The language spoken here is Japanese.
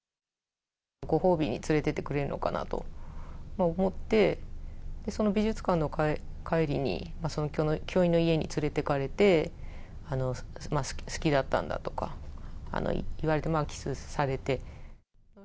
ご褒美に連れていってくれるのかなと思って、その美術館の帰りに、その教員の家に連れていかれて、好きだったんだとか言われて、キスされて。